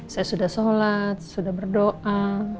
saya sudah sholat sudah berdoa